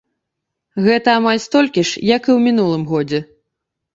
Гэта амаль столькі ж, як і ў мінулым годзе.